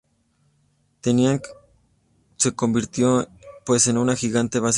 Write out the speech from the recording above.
Tinian se convirtió pues en una gigantesca base militar.